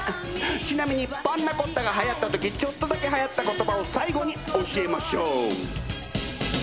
ちなみにパンナコッタがはやった時ちょっとだけはやった言葉を最後に教えましょう。